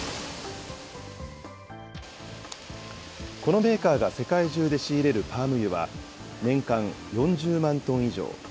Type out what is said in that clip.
このメーカーが世界中で仕入れるパーム油は、年間４０万トン以上。